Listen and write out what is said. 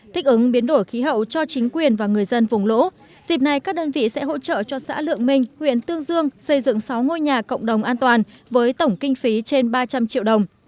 thích ứng biến đổi khí hậu cho chính quyền và người dân vùng lũ dịp này các đơn vị sẽ hỗ trợ cho xã lượng minh huyện tương dương xây dựng sáu ngôi nhà cộng đồng an toàn với tổng kinh phí trên ba trăm linh triệu đồng